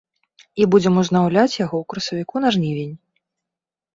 І будзем узнаўляць яго ў красавіку на жнівень.